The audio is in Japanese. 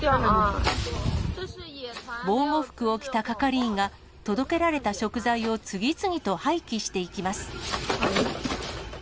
防護服を着た係員が、届けられた食材を次々と廃棄していきます。